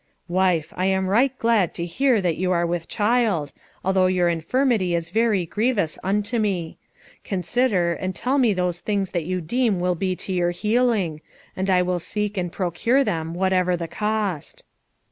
"Wife, I am right glad to hear that you are with child, although your infirmity is very grievous unto me. Consider and tell me those things that you deem will be to your healing, and I will seek and procure them whatever the cost."